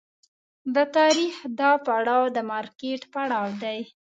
د تاریخ دا پړاو د مارکېټ پړاو دی.